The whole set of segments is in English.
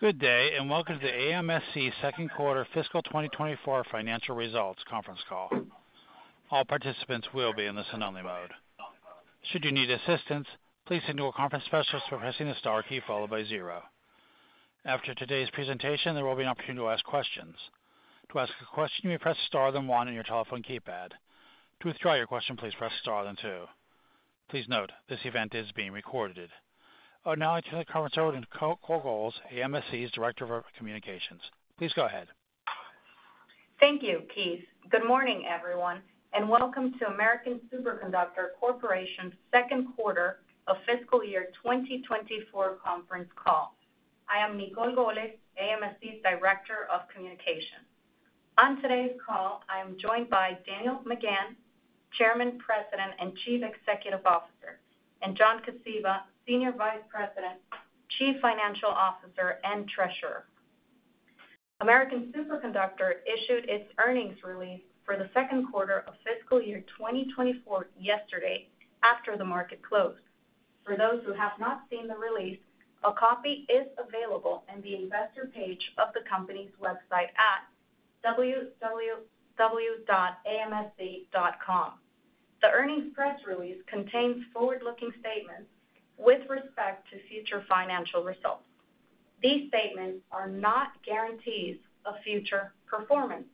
Good day, and welcome to the AMSC Second Quarter Fiscal 2024 Financial Results Conference Call. All participants will be in listen-only mode. Should you need assistance, please say, "New Conference Specialist," by pressing the star key followed by zero. After today's presentation, there will be an opportunity to ask questions. To ask a question, you may press star then one on your telephone keypad. To withdraw your question, please press star then two. Please note, this event is being recorded. Now, I turn the conference over to Nicol Goles Thank you, Keith. Good morning, everyone, and welcome to American Superconductor Corporation's Second Quarter of Fiscal Year 2024 Conference Call. I am Nicol Golez, AMSC's Director of Communications. On today's call, I am joined by Daniel McGahn, Chairman, President, and Chief Executive Officer, and John Kosiba, Senior Vice President, Chief Financial Officer, and Treasurer. American Superconductor issued its earnings release for the second quarter of Fiscal Year 2024 yesterday after the market closed. For those who have not seen the release, a copy is available in the investor page of the company's website at www.amsc.com. The earnings press release contains forward-looking statements with respect to future financial results. These statements are not guarantees of future performance.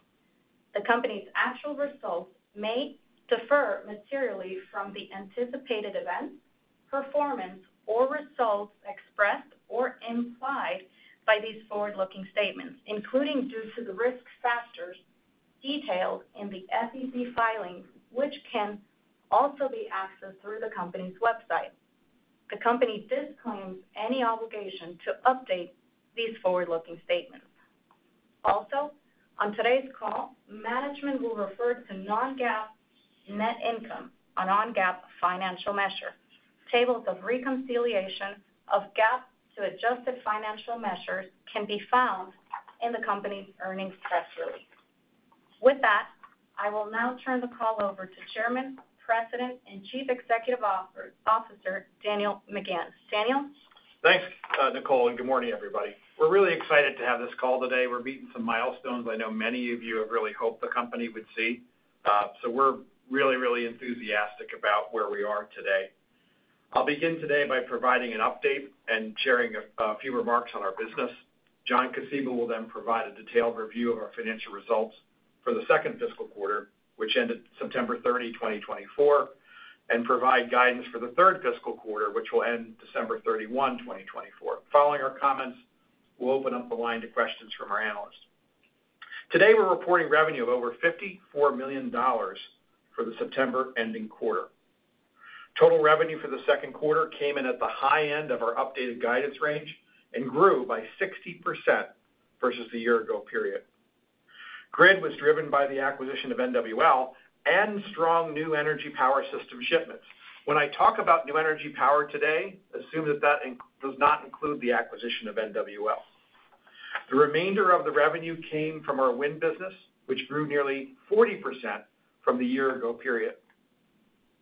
The company's actual results may differ materially from the anticipated events, performance, or results expressed or implied by these forward-looking statements, including due to the risk factors detailed in the SEC filings, which can also be accessed through the company's website. The company disclaims any obligation to update these forward-looking statements. Also, on today's call, management will refer to non-GAAP net income or non-GAAP financial measure. Tables of reconciliation of GAAP to adjusted financial measures can be found in the company's earnings press release. With that, I will now turn the call over to Chairman, President, and Chief Executive Officer, Daniel McGahn. Daniel. Thanks, Nicole, and good morning, everybody. We're really excited to have this call today. We're meeting some milestones I know many of you have really hoped the company would see. So we're really, really enthusiastic about where we are today. I'll begin today by providing an update and sharing a few remarks on our business. John Kosiba will then provide a detailed review of our financial results for the second fiscal quarter, which ended September 30, 2024, and provide guidance for the third fiscal quarter, which will end December 31, 2024. Following our comments, we'll open up the line to questions from our analyst. Today, we're reporting revenue of over $54 million for the September ending quarter. Total revenue for the second quarter came in at the high end of our updated guidance range and grew by 60% versus the year-ago period. Grid was driven by the acquisition of NWL and strong new energy power system shipments. When I talk about new energy power today, assume that that does not include the acquisition of NWL. The remainder of the revenue came from our wind business, which grew nearly 40% from the year-ago period.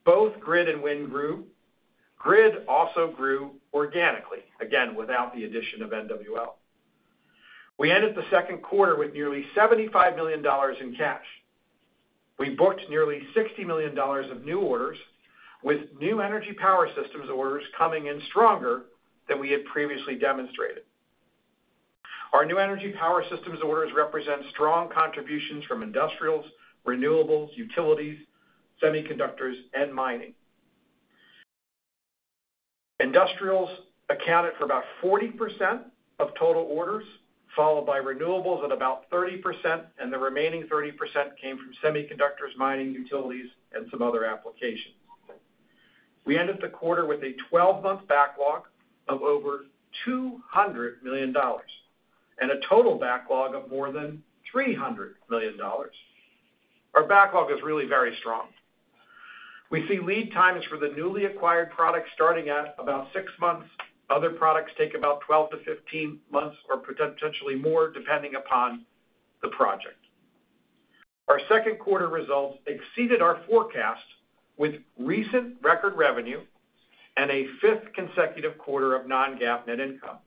Both grid and wind grew. Grid also grew organically, again, without the addition of NWL. We ended the second quarter with nearly $75 million in cash. We booked nearly $60 million of new orders, with new energy power systems orders coming in stronger than we had previously demonstrated. Our new energy power systems orders represent strong contributions from industrials, renewables, utilities, semiconductors, and mining. Industrials accounted for about 40% of total orders, followed by renewables at about 30%, and the remaining 30% came from semiconductors, mining, utilities, and some other applications. We ended the quarter with a 12-month backlog of over $200 million and a total backlog of more than $300 million. Our backlog is really very strong. We see lead times for the newly acquired products starting at about six months. Other products take about 12 to 15 months or potentially more, depending upon the project. Our second quarter results exceeded our forecast with recent record revenue and a fifth consecutive quarter of non-GAAP net income.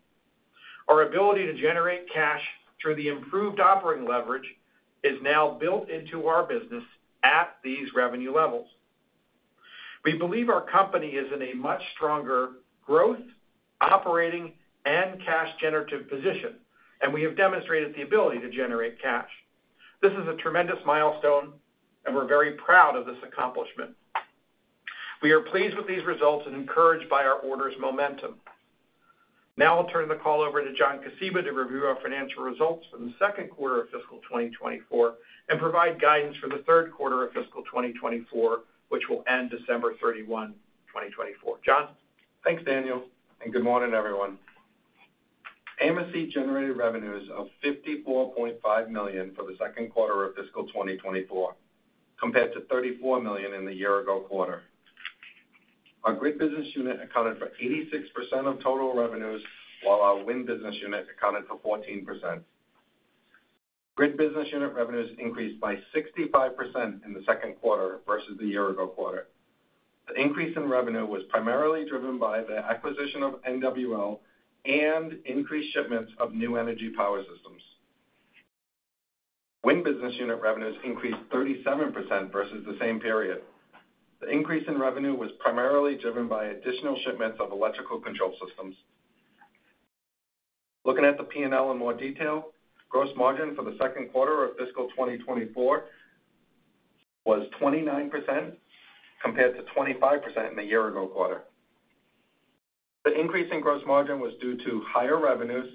Our ability to generate cash through the improved operating leverage is now built into our business at these revenue levels. We believe our company is in a much stronger growth, operating, and cash-generative position, and we have demonstrated the ability to generate cash. This is a tremendous milestone, and we're very proud of this accomplishment. We are pleased with these results and encouraged by our orders' momentum. Now, I'll turn the call over to John Kosiba to review our financial results for the second quarter of fiscal 2024 and provide guidance for the third quarter of fiscal 2024, which will end December 31, 2024. John. Thanks, Daniel, and good morning, everyone. AMSC generated revenues of $54.5 million for the second quarter of fiscal 2024, compared to $34 million in the year-ago quarter. Our grid business unit accounted for 86% of total revenues, while our wind business unit accounted for 14%. Grid business unit revenues increased by 65% in the second quarter versus the year-ago quarter. The increase in revenue was primarily driven by the acquisition of NWL and increased shipments of New Energy Power Systems. Wind business unit revenues increased 37% versus the same period. The increase in revenue was primarily driven by additional shipments of Electrical Control Systems. Looking at the P&L in more detail, gross margin for the second quarter of fiscal 2024 was 29%, compared to 25% in the year-ago quarter. The increase in gross margin was due to higher revenues,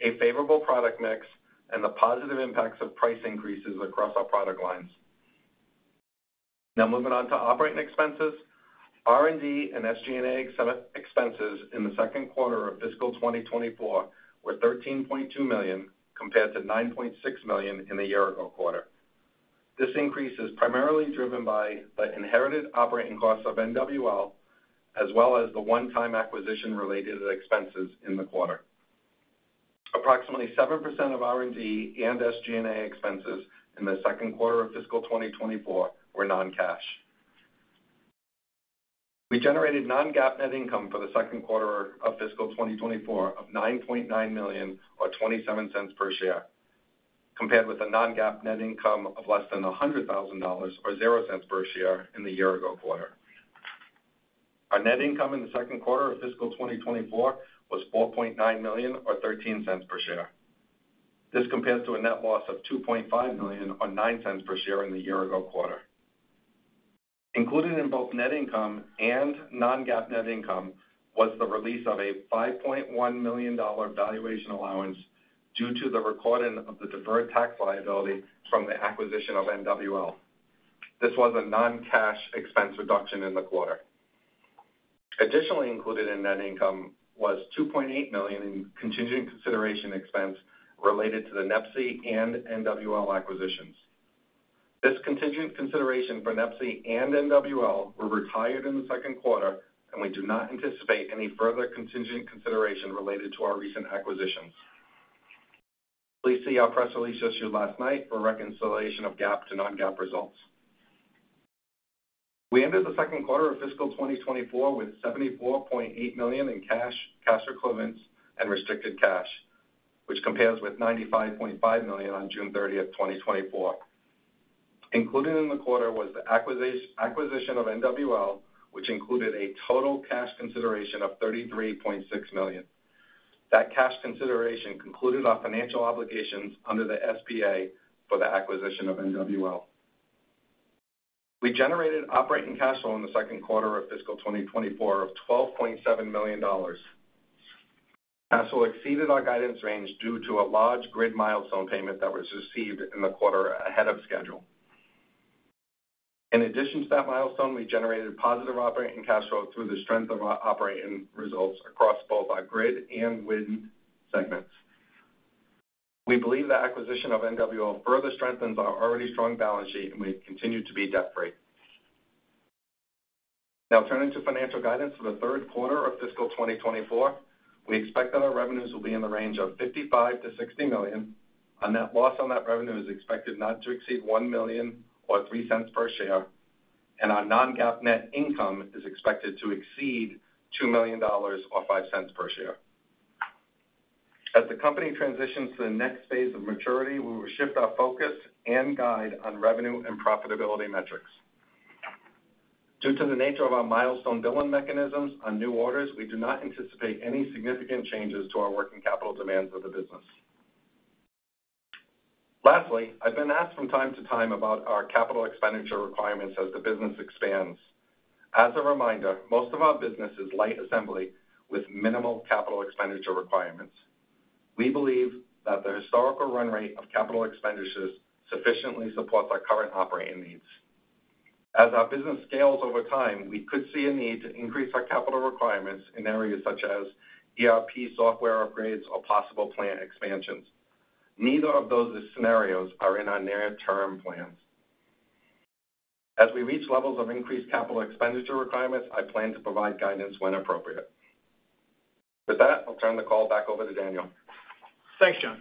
a favorable product mix, and the positive impacts of price increases across our product lines. Now, moving on to operating expenses. R&D and SG&A expenses in the second quarter of fiscal 2024 were $13.2 million, compared to $9.6 million in the year-ago quarter. This increase is primarily driven by the inherited operating costs of NWL, as well as the one-time acquisition-related expenses in the quarter. Approximately 7% of R&D and SG&A expenses in the second quarter of fiscal 2024 were non-cash. We generated non-GAAP net income for the second quarter of fiscal 2024 of $9.9 million, or $0.27 per share, compared with a non-GAAP net income of less than $100,000, or $0.00 per share in the year-ago quarter. Our net income in the second quarter of fiscal 2024 was $4.9 million, or $0.13 per share. This compares to a net loss of $2.5 million, or $0.09 per share in the year-ago quarter. Included in both net income and non-GAAP net income was the release of a $5.1 million valuation allowance due to the recording of the deferred tax liability from the acquisition of NWL. This was a non-cash expense reduction in the quarter. Additionally included in net income was $2.8 million in contingent consideration expense related to the NEPSI and NWL acquisitions. This contingent consideration for NEPSI Included in the quarter was the acquisition of NWL, which included a total cash consideration of $33.6 million. That cash consideration concluded our financial obligations under the SPA for the acquisition of NWL. We generated operating cash flow in the second quarter of fiscal 2024 of $12.7 million. Cash flow exceeded our guidance range due to a large grid milestone payment that was received in the quarter ahead of schedule. In addition to that milestone, we generated positive operating cash flow through the strength of our operating results across both our grid and wind segments. We believe the acquisition of NWL further strengthens our already strong balance sheet, and we continue to be debt-free. Now, turning to financial guidance for the third quarter of fiscal 2024, we expect that our revenues will be in the range of $55-$60 million. Our net loss on that revenue is expected not to exceed $1.03 per share, and our Non-GAAP net income is expected to exceed $2.00 or $0.05 per share. As the company transitions to the next phase of maturity, we will shift our focus and guide on revenue and profitability metrics. Due to the nature of our milestone billing mechanisms on new orders, we do not anticipate any significant changes to our working capital demands of the business. Lastly, I've been asked from time to time about our capital expenditure requirements as the business expands. As a reminder, most of our business is light assembly with minimal capital expenditure requirements. We believe that the historical run rate of capital expenditures sufficiently supports our current operating needs. As our business scales over time, we could see a need to increase our capital requirements in areas such as ERP software upgrades or possible plant expansions. Neither of those scenarios are in our near-term plans. As we reach levels of increased capital expenditure requirements, I plan to provide guidance when appropriate. With that, I'll turn the call back over to Daniel. Thanks, John.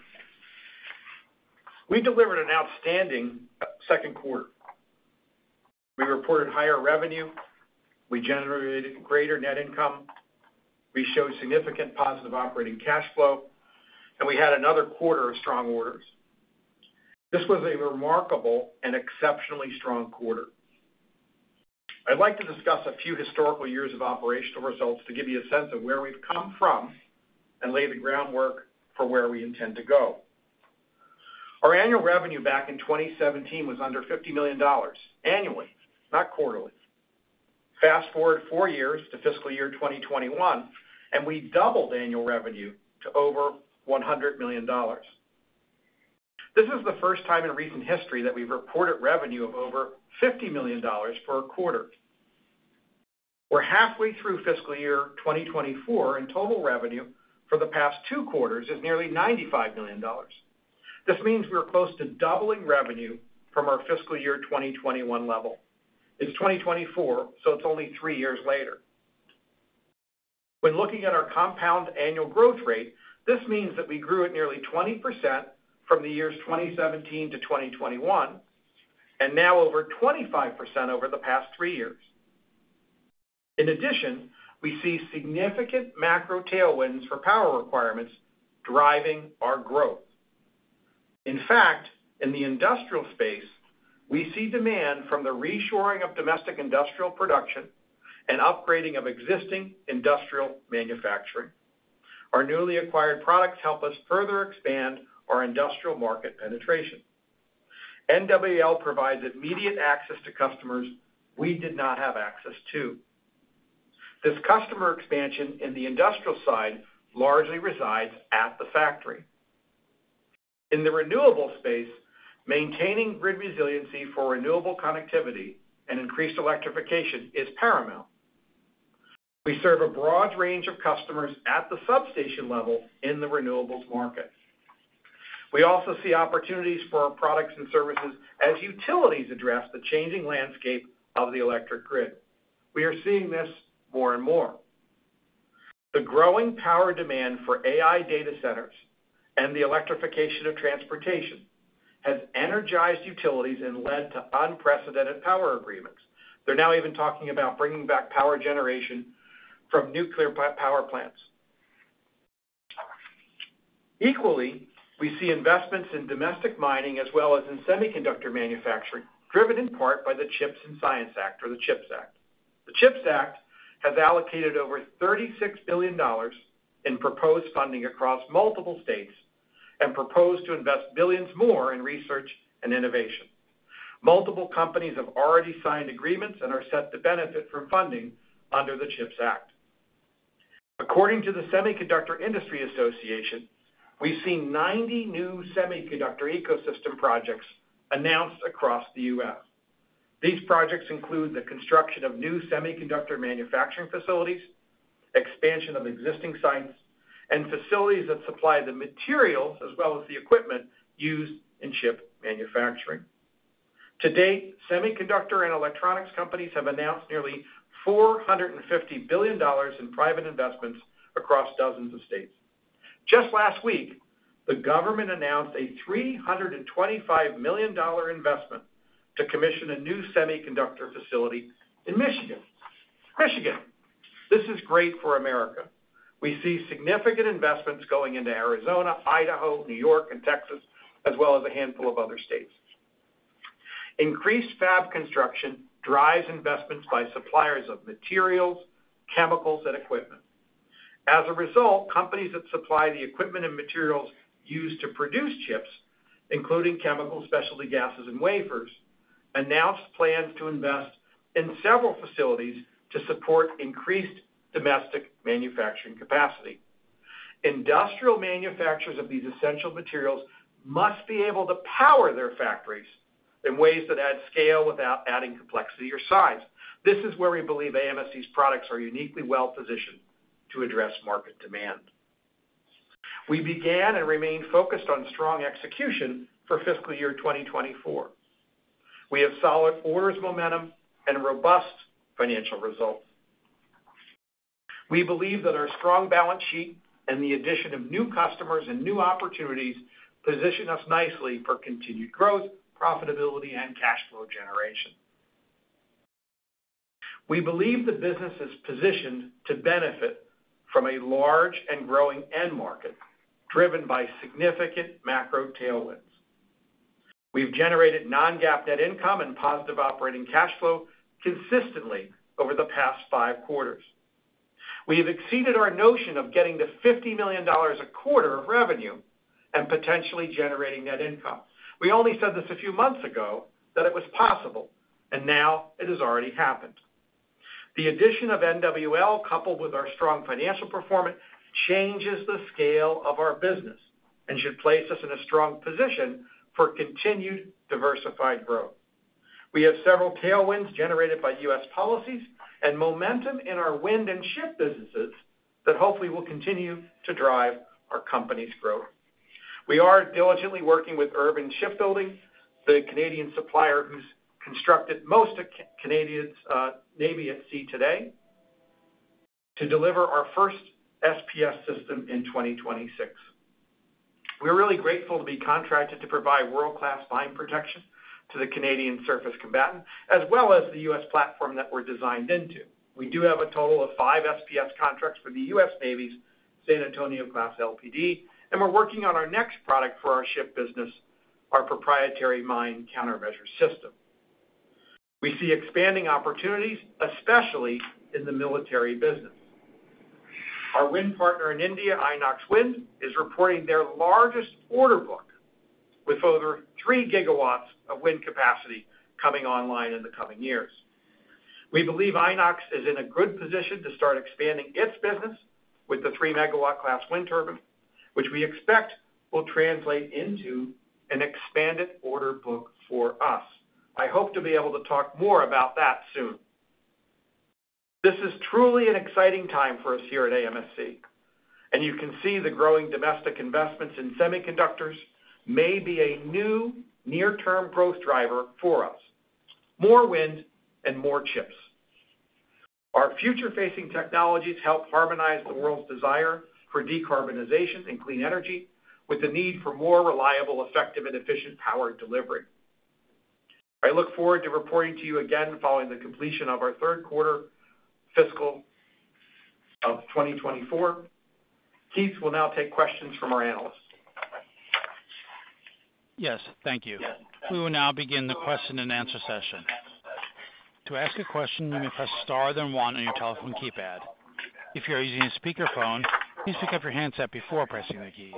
We delivered an outstanding second quarter. We reported higher revenue. We generated greater net income. We showed significant positive operating cash flow, and we had another quarter of strong orders. This was a remarkable and exceptionally strong quarter. I'd like to discuss a few historical years of operational results to give you a sense of where we've come from and lay the groundwork for where we intend to go. Our annual revenue back in 2017 was under $50 million annually, not quarterly. Fast forward four years to fiscal year 2021, and we doubled annual revenue to over $100 million. This is the first time in recent history that we've reported revenue of over $50 million for a quarter. We're halfway through fiscal year 2024, and total revenue for the past two quarters is nearly $95 million. This means we're close to doubling revenue from our fiscal year 2021 level. It's 2024, so it's only three years later. When looking at our compound annual growth rate, this means that we grew at nearly 20% from the years 2017 to 2021, and now over 25% over the past three years. In addition, we see significant macro tailwinds for power requirements driving our growth. In fact, in the industrial space, we see demand from the reshoring of domestic industrial production and upgrading of existing industrial manufacturing. Our newly acquired products help us further expand our industrial market penetration. NWL provides immediate access to customers we did not have access to. This customer expansion in the industrial side largely resides at the factory. In the renewable space, maintaining grid resiliency for renewable connectivity and increased electrification is paramount. We serve a broad range of customers at the substation level in the renewables market. We also see opportunities for our products and services as utilities address the changing landscape of the electric grid. We are seeing this more and more. The growing power demand for AI data centers and the electrification of transportation has energized utilities and led to unprecedented power agreements. They're now even talking about bringing back power generation from nuclear power plants. Equally, we see investments in domestic mining as well as in semiconductor manufacturing, driven in part by the CHIPS and Science Act, or the CHIPS Act. The CHIPS Act has allocated over $36 billion in proposed funding across multiple states and proposed to invest billions more in research and innovation. Multiple companies have already signed agreements and are set to benefit from funding under the CHIPS Act. According to the Semiconductor Industry Association, we've seen 90 new semiconductor ecosystem projects announced across the U.S. These projects include the construction of new semiconductor manufacturing facilities, expansion of existing sites, and facilities that supply the materials as well as the equipment used in chip manufacturing. To date, semiconductor and electronics companies have announced nearly $450 billion in private investments across dozens of states. Just last week, the government announced a $325 million investment to commission a new semiconductor facility in Michigan. Michigan, this is great for America. We see significant investments going into Arizona, Idaho, New York, and Texas, as well as a handful of other states. Increased fab construction drives investments by suppliers of materials, chemicals, and equipment. As a result, companies that supply the equipment and materials used to produce chips, including chemicals, specialty gases, and wafers, announced plans to invest in several facilities to support increased domestic manufacturing capacity. Industrial manufacturers of these essential materials must be able to power their factories in ways that add scale without adding complexity or size. This is where we believe AMSC's products are uniquely well-positioned to address market demand. We began and remain focused on strong execution for fiscal year 2024. We have solid orders momentum and robust financial results. We believe that our strong balance sheet and the addition of new customers and new opportunities position us nicely for continued growth, profitability, and cash flow generation. We believe the business is positioned to benefit from a large and growing end market driven by significant macro tailwinds. We've generated Non-GAAP net income and positive operating cash flow consistently over the past five quarters. We have exceeded our notion of getting to $50 million a quarter of revenue and potentially generating net income. We only said this a few months ago that it was possible, and now it has already happened. The addition of NWL, coupled with our strong financial performance, changes the scale of our business and should place us in a strong position for continued diversified growth. We have several tailwinds generated by U.S. policies and momentum in our wind and ship businesses that hopefully will continue to drive our company's growth. We are diligently working with Irving Shipbuilding, the Canadian supplier who's constructed most of Canadian Navy at sea today, to deliver our first SPS system in 2026. We're really grateful to be contracted to provide world-class line protection to the Canadian Surface Combatant, as well as the U.S. platform that we're designed into. We do have a total of five SPS contracts for the U.S. Navy's San Antonio-Class LPD, and we're working on our next product for our ship business, our proprietary Mine Countermeasure System. We see expanding opportunities, especially in the military business. Our wind partner in India, INOX Wind, is reporting their largest order book with over three gigawatts of wind capacity coming online in the coming years. We believe INOX is in a good position to start expanding its business with the 3-Megawatt-Class Wind Turbine, which we expect will translate into an expanded order book for us. I hope to be able to talk more about that soon. This is truly an exciting time for us here at AMSC, and you can see the growing domestic investments in semiconductors may be a new near-term growth driver for us. More wind and more chips. Our future-facing technologies help harmonize the world's desire for decarbonization and clean energy with the need for more reliable, effective, and efficient power delivery. I look forward to reporting to you again following the completion of our third quarter fiscal of 2024. Keith will now take questions from our analysts. Yes, thank you. We will now begin the question and answer session. To ask a question, you may press star then one on your telephone keypad. If you're using a speakerphone, please pick up your handset before pressing the keys.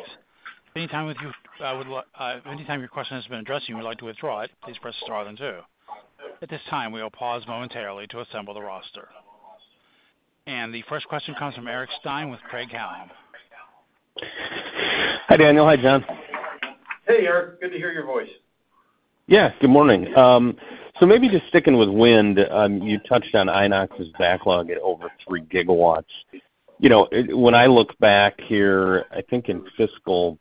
Anytime your question has been addressed and you would like to withdraw it, please press star then two. At this time, we will pause momentarily to assemble the roster. And the first question comes from Eric Stine Hi Daniel, hi John. Hey Eric, good to hear your voice. Yeah, good morning. So maybe just sticking with wind, you touched on INOX's backlog at over 3 gigawatts. When I look back here, I think in fiscal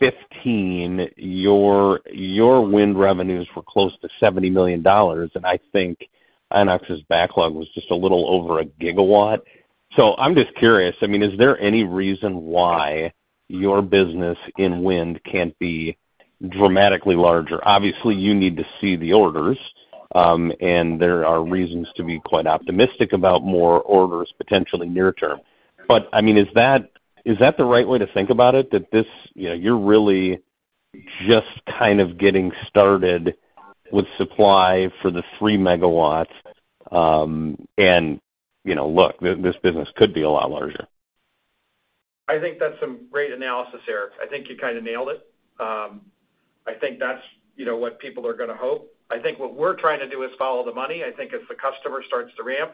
2015, your wind revenues were close to $70 million, and I think INOX's backlog was just a little over a gigawatt. So I'm just curious, I mean, is there any reason why your business in wind can't be dramatically larger? Obviously, you need to see the orders, and there are reasons to be quite optimistic about more orders potentially near term. But I mean, is that the right way to think about it, that you're really just kind of getting started with supply for the 3 megawatts? And look, this business could be a lot larger. I think that's some great analysis, Eric. I think you kind of nailed it. I think that's what people are going to hope. I think what we're trying to do is follow the money. I think as the customer starts to ramp,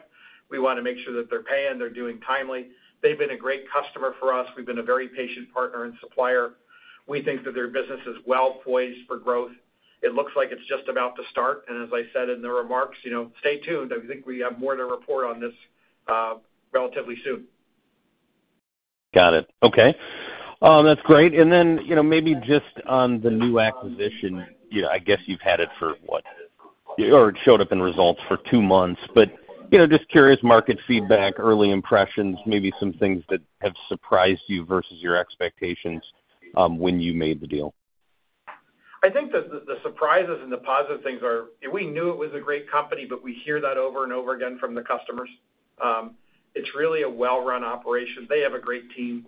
we want to make sure that they're paying, they're doing timely. They've been a great customer for us. We've been a very patient partner and supplier. We think that their business is well poised for growth. It looks like it's just about to start, and as I said in the remarks, stay tuned. I think we have more to report on this relatively soon. Got it. Okay. That's great. And then maybe just on the new acquisition, I guess you've had it for what? Or it showed up in results for two months, but just curious market feedback, early impressions, maybe some things that have surprised you versus your expectations when you made the deal. I think that the surprises and the positive things are we knew it was a great company, but we hear that over and over again from the customers. It's really a well-run operation. They have a great team.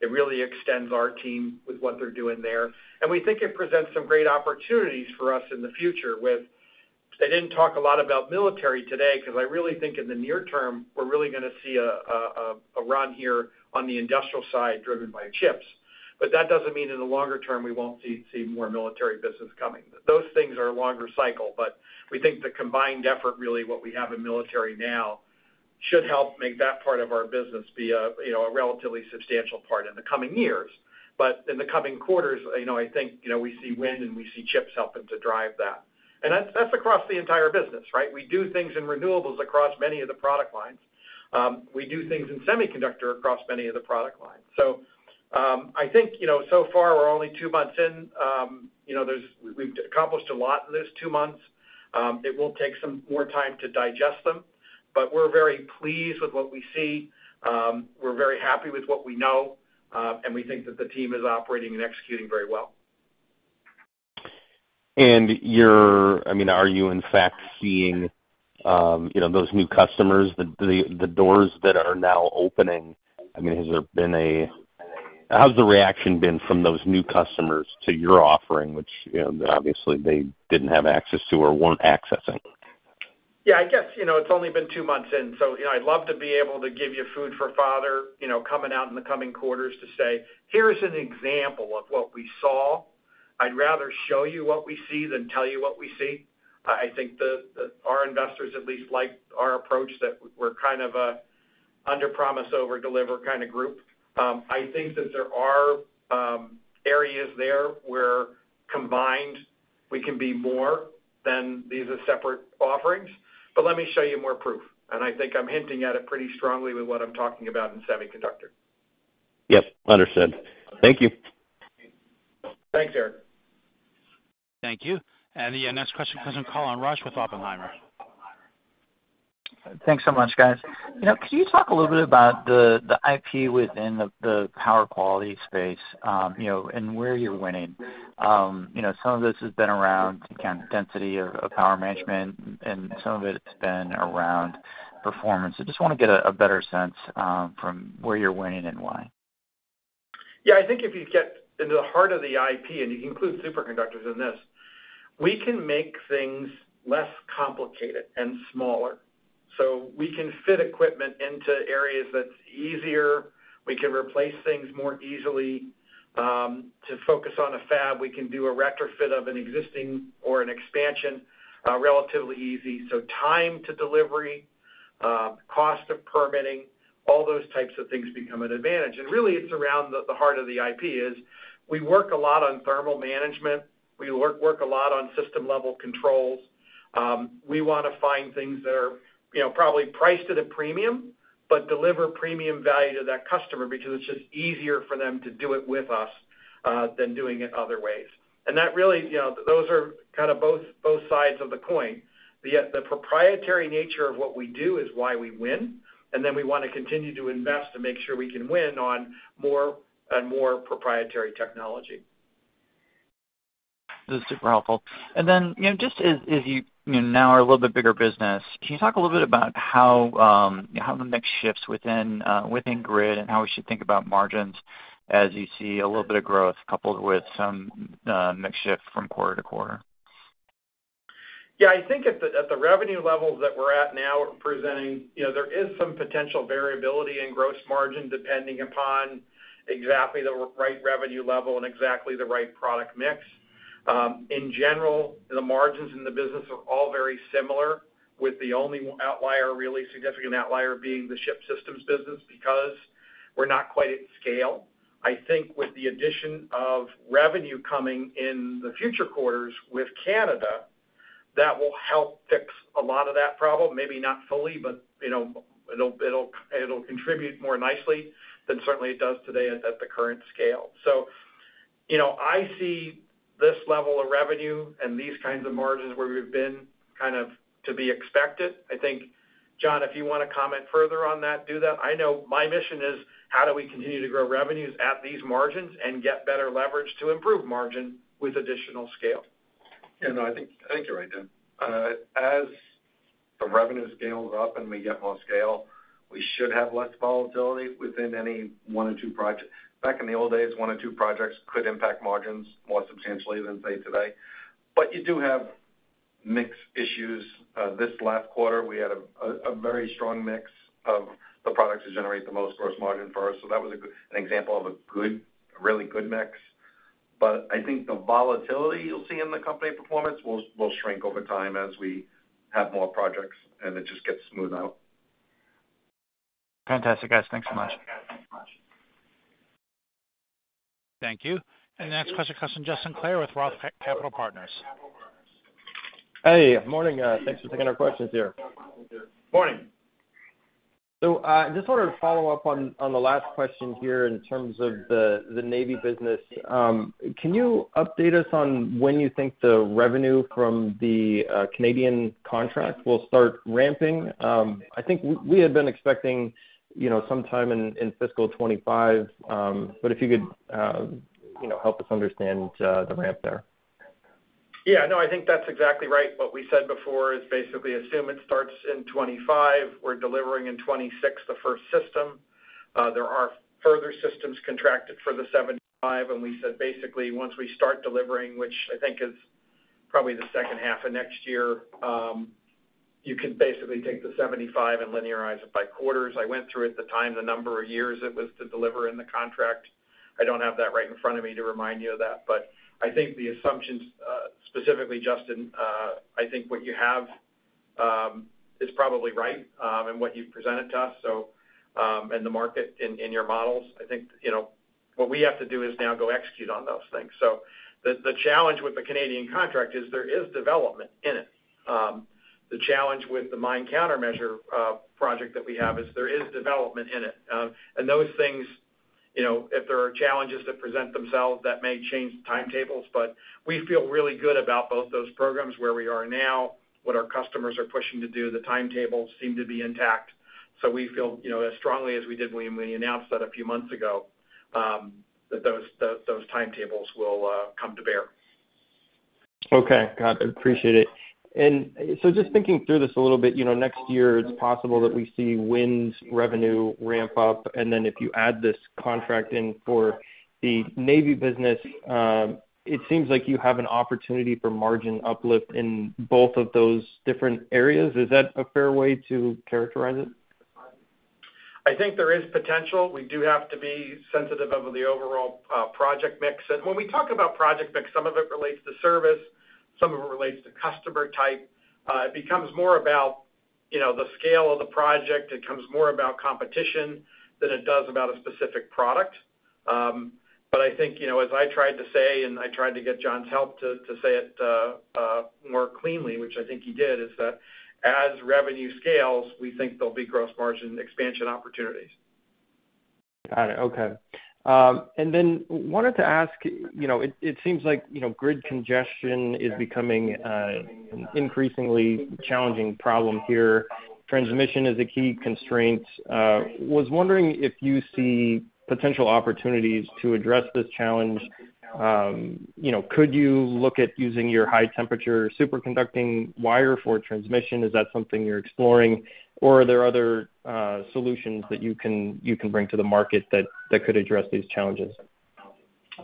It really extends our team with what they're doing there. And we think it presents some great opportunities for us in the future with they didn't talk a lot about military today because I really think in the near term, we're really going to see a run here on the industrial side driven by chips. But that doesn't mean in the longer term we won't see more military business coming. Those things are a longer cycle, but we think the combined effort, really what we have in military now, should help make that part of our business be a relatively substantial part in the coming years. But in the coming quarters, I think we see wind and we see chips helping to drive that. And that's across the entire business, right? We do things in renewables across many of the product lines. We do things in semiconductor across many of the product lines. So I think so far we're only two months in. We've accomplished a lot in those two months. It will take some more time to digest them, but we're very pleased with what we see. We're very happy with what we know, and we think that the team is operating and executing very well. I mean, are you in fact seeing those new customers, the doors that are now opening? I mean, how's the reaction been from those new customers to your offering, which obviously they didn't have access to or weren't accessing? Yeah, I guess it's only been two months in, so I'd love to be able to give you food for thought coming out in the coming quarters to say, "Here's an example of what we saw. I'd rather show you what we see than tell you what we see." I think our investors at least like our approach that we're kind of an under-promise-over-deliver kind of group. I think that there are areas there where combined we can be more than these separate offerings. But let me show you more proof. And I think I'm hinting at it pretty strongly with what I'm talking about in semiconductor. Yes, understood. Thank you. Thanks, Eric. Thank you. And the next question comes from Colin Rush with Oppenheimer. Thanks so much, guys. Can you talk a little bit about the IP within the power quality space and where you're winning? Some of this has been around the density of power management, and some of it has been around performance. I just want to get a better sense from where you're winning and why. Yeah, I think if you get into the heart of the IP and you include superconductors in this, we can make things less complicated and smaller. So we can fit equipment into areas that's easier. We can replace things more easily. To focus on a fab, we can do a retrofit of an existing or an expansion relatively easy. So time to delivery, cost of permitting, all those types of things become an advantage. Really, it's around the heart of the IP. We work a lot on thermal management. We work a lot on system-level controls. We want to find things that are probably priced at a premium but deliver premium value to that customer because it's just easier for them to do it with us than doing it other ways. Really, those are kind of both sides of the coin. The proprietary nature of what we do is why we win, and then we want to continue to invest to make sure we can win on more and more proprietary technology. This is super helpful and then just as you now are a little bit bigger business, can you talk a little bit about how the mix shifts within grid and how we should think about margins as you see a little bit of growth coupled with some mix shift from quarter to quarter? Yeah, I think at the revenue levels that we're at now, we're presenting there is some potential variability in gross margin depending upon exactly the right revenue level and exactly the right product mix. In general, the margins in the business are all very similar, with the only outlier, really significant outlier, being the ship systems business because we're not quite at scale. I think with the addition of revenue coming in the future quarters with Canada, that will help fix a lot of that problem. Maybe not fully, but it'll contribute more nicely than certainly it does today at the current scale. So I see this level of revenue and these kinds of margins where we've been kind of to be expected. I think, John, if you want to comment further on that, do that. I know my mission is how do we continue to grow revenues at these margins and get better leverage to improve margin with additional scale. Yeah, no, I think you're right, Dan. As the revenue scales up and we get more scale, we should have less volatility within any one or two projects. Back in the old days, one or two projects could impact margins more substantially than, say, today. But you do have mixed issues. This last quarter, we had a very strong mix of the products to generate the most gross margin for us. So that was an example of a really good mix. But I think the volatility you'll see in the company performance will shrink over time as we have more projects, and it just gets smoothed out. Fantastic, guys. Thanks so much. Thank you, and the next question comes from Justin Clare with Roth Capital Partners. Hey, good morning. Thanks for taking our questions here. Morning. So I just wanted to follow up on the last question here in terms of the Navy business. Can you update us on when you think the revenue from the Canadian contract will start ramping? I think we had been expecting sometime in fiscal 2025, but if you could help us understand the ramp there. Yeah, no, I think that's exactly right. What we said before is basically assume it starts in 2025. We're delivering in 2026 the first system. There are further systems contracted for the 75, and we said basically once we start delivering, which I think is probably the second half of next year, you could basically take the 75 and linearize it by quarters. I went through at the time the number of years it was to deliver in the contract. I don't have that right in front of me to remind you of that. But I think the assumptions, specifically Justin, I think what you have is probably right in what you've presented to us and the market in your models. I think what we have to do is now go execute on those things. So the challenge with the Canadian contract is there is development in it. The challenge with the mine countermeasure project that we have is there is development in it, and those things, if there are challenges that present themselves, that may change timetables, but we feel really good about both those programs where we are now, what our customers are pushing to do. The timetables seem to be intact, so we feel as strongly as we did when we announced that a few months ago that those timetables will come to bear. Okay. Got it. Appreciate it. And so just thinking through this a little bit, next year, it's possible that we see wind revenue ramp up. And then if you add this contract in for the Navy business, it seems like you have an opportunity for margin uplift in both of those different areas. Is that a fair way to characterize it? I think there is potential. We do have to be sensitive of the overall project mix, and when we talk about project mix, some of it relates to service. Some of it relates to customer type. It becomes more about the scale of the project. It comes more about competition than it does about a specific product, but I think as I tried to say, and I tried to get John's help to say it more cleanly, which I think he did, is that as revenue scales, we think there'll be gross margin expansion opportunities. Got it. Okay. And then wanted to ask, it seems like grid congestion is becoming an increasingly challenging problem here. Transmission is a key constraint. Was wondering if you see potential opportunities to address this challenge. Could you look at using your high-temperature superconducting wire for transmission? Is that something you're exploring? Or are there other solutions that you can bring to the market that could address these challenges?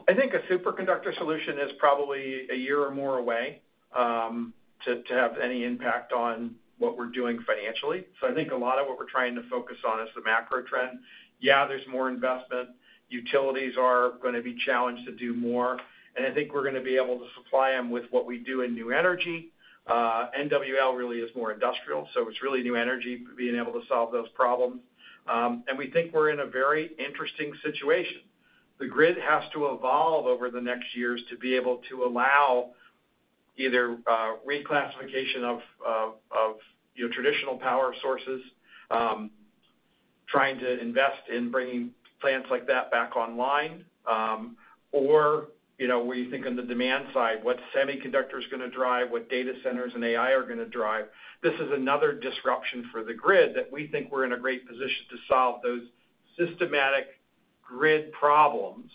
I think a superconductor solution is probably a year or more away to have any impact on what we're doing financially. So I think a lot of what we're trying to focus on is the macro trend. Yeah, there's more investment. Utilities are going to be challenged to do more. And I think we're going to be able to supply them with what we do in new energy. NWL really is more industrial. So it's really new energy being able to solve those problems. And we think we're in a very interesting situation. The grid has to evolve over the next years to be able to allow either reclassification of traditional power sources, trying to invest in bringing plants like that back online, or we're thinking the demand side, what semiconductor is going to drive, what data centers and AI are going to drive. This is another disruption for the grid that we think we're in a great position to solve those systematic grid problems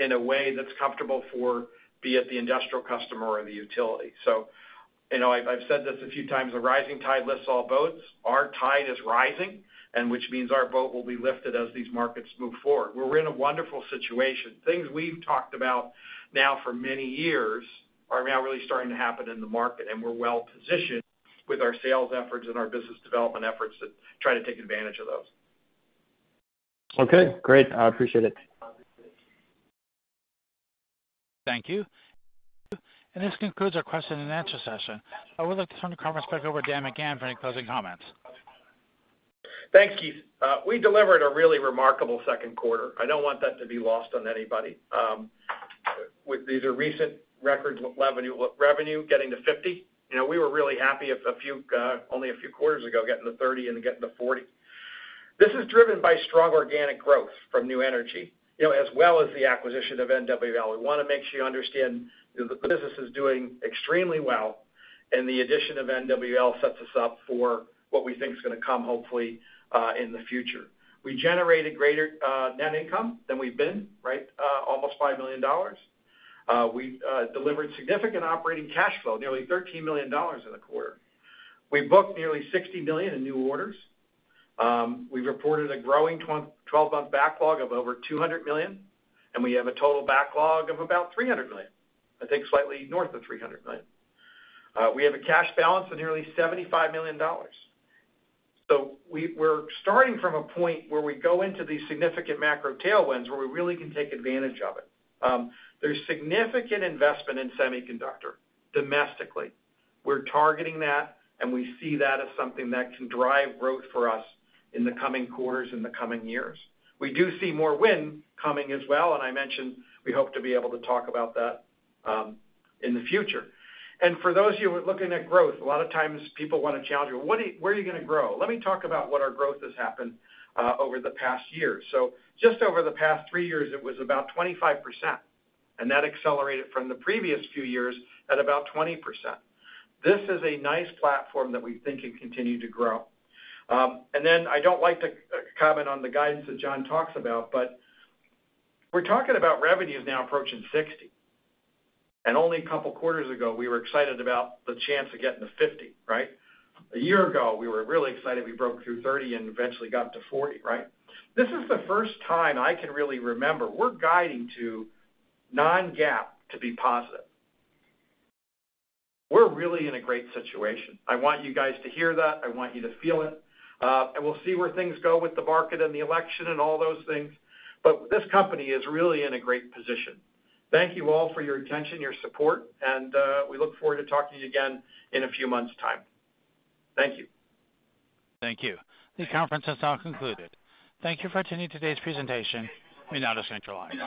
in a way that's comfortable for, be it the industrial customer or the utility. So I've said this a few times, a rising tide lifts all boats. Our tide is rising, which means our boat will be lifted as these markets move forward. We're in a wonderful situation. Things we've talked about now for many years are now really starting to happen in the market, and we're well positioned with our sales efforts and our business development efforts to try to take advantage of those. Okay. Great. I appreciate it. Thank you. And this concludes our question and answer session. I would like to turn the conference back over to Dan McGahn for any closing comments. Thanks, Keith. We delivered a really remarkable second quarter. I don't want that to be lost on anybody. These are recent record revenue getting to $50 million. We were really happy only a few quarters ago getting to $30 million and getting to $40 million. This is driven by strong organic growth from new energy as well as the acquisition of NWL. We want to make sure you understand the business is doing extremely well, and the addition of NWL sets us up for what we think is going to come hopefully in the future. We generated greater net income than we've been, right, almost $5 million. We delivered significant operating cash flow, nearly $13 million in the quarter. We booked nearly $60 million in new orders. We've reported a growing 12-month backlog of over $200 million, and we have a total backlog of about $300 million, I think slightly north of $300 million. We have a cash balance of nearly $75 million. So we're starting from a point where we go into these significant macro tailwinds where we really can take advantage of it. There's significant investment in semiconductor domestically. We're targeting that, and we see that as something that can drive growth for us in the coming quarters and the coming years. We do see more wind coming as well. And I mentioned we hope to be able to talk about that in the future. And for those of you who are looking at growth, a lot of times people want to challenge you, "Where are you going to grow?" Let me talk about what our growth has happened over the past year. So just over the past three years, it was about 25%, and that accelerated from the previous few years at about 20%. This is a nice platform that we think can continue to grow. And then I don't like to comment on the guidance that John talks about, but we're talking about revenues now approaching 60. And only a couple of quarters ago, we were excited about the chance of getting to 50, right? A year ago, we were really excited. We broke through 30 and eventually got to 40, right? This is the first time I can really remember we're guiding to non-GAAP to be positive. We're really in a great situation. I want you guys to hear that. I want you to feel it. And we'll see where things go with the market and the election and all those things. But this company is really in a great position. Thank you all for your attention, your support, and we look forward to talking to you again in a few months' time. Thank you. Thank you. The conference has now concluded. Thank you for attending today's presentation. We now disconnect your lines.